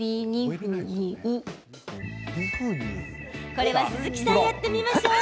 これは鈴木さんやってみましょう！